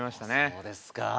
そうですか。